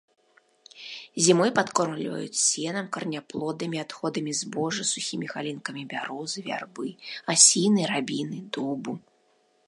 Зімой падкормліваюць сенам, караняплодамі, адходамі збожжа, сухімі галінкамі бярозы, вярбы, асіны, рабіны, дубу.